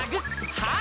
はい！